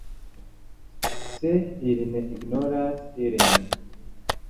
Se ili ne ignoras ilin.